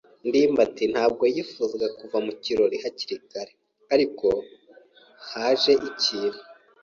ndimbati ntabwo yifuzaga kuva mu kirori hakiri kare, ariko haje ikintu.